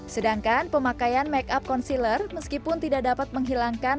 sedangkan pemakaian make up concealer meskipun tidak dapat menghilangkan